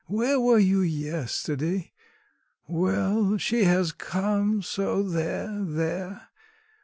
Where were you yesterday? Well, she has come, so there, there!